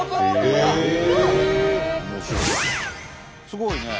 すごいね。